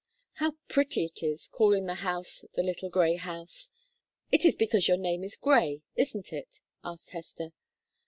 "How pretty it is, calling the house 'the little grey house'! It is because your name is Grey, isn't it?" asked Hester.